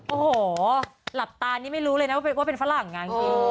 โอ้โหหลับตานี่ไม่รู้เลยนะว่าเป็นฝรั่งงานจริง